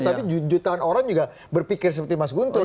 tapi jutaan orang juga berpikir seperti mas guntur